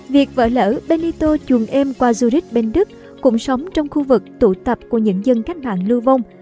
việc vỡ lở benito chuồn êm qua zurich bên đức cũng sống trong khu vực tụ tập của những dân cách mạng lưu vong